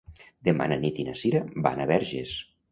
Demà na Nit i na Cira van a Verges.